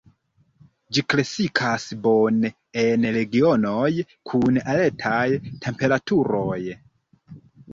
Ĝi kreskas bone en regionoj kun altaj temperaturoj.